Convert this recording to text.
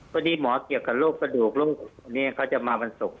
ตอนนี้หมอเกี่ยวกับรูปกระดูกรูปเนี้ยเขาจะมาวันศุกร์ครับ